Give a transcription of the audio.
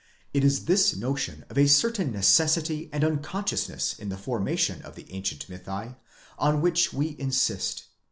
It is this notion of a certain necessity and unconsciousness in the formation of the ancient mythi, on which we insist.